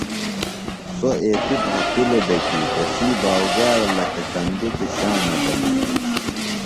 سوۡ ایتیۡ بھکُلوۡ دےۡ کیۡ تسی باؤگاڑہ لکہ کندُکیۡ سامہ دےۡ منیۡ